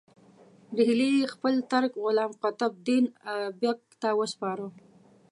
ډهلی یې خپل ترک غلام قطب الدین ایبک ته وسپاره.